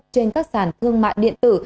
trên các sản thương mại điện tử